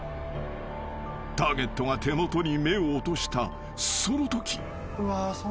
［ターゲットが手元に目を落としたそのとき］